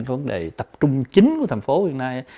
vấn đề tập trung chính của thành phố hiện nay